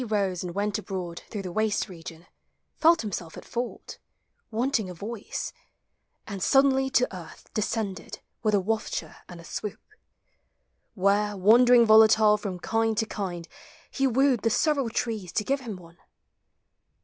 rose and •";'" Through the waste region, felt himself al fault, Wanting a voice; and suddenly toeartb Uescen.le.1 will, a wafture and a swoop, 220 POEMS OF NATURE. Where, wandering volatile from kind to kind, He wooed the several trees to give him one.